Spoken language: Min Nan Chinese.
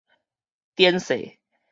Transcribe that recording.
典世